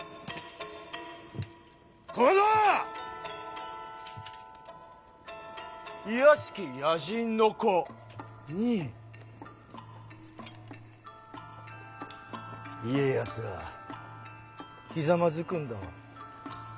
この卑しき野人の子に家康はひざまずくんだわ。